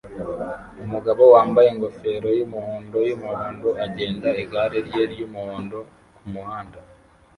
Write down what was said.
umugabo wambaye ingofero yumuhondo yumuhondo agenda igare rye ryumuhondo kumuhanda